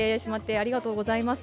ありがとうございます。